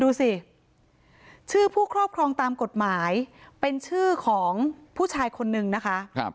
ดูสิชื่อผู้ครอบครองตามกฎหมายเป็นชื่อของผู้ชายคนนึงนะคะ